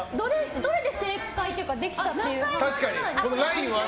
どれで正解っていうかできたっていう判定を。